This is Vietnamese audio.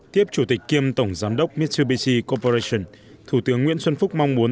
tiếp chủ tịch kiêm tổng giám đốc mitsubishi koporration thủ tướng nguyễn xuân phúc mong muốn